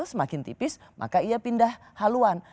semakin tipis maka ia pindah haluan